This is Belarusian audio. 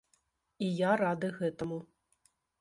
І я рады гэтаму.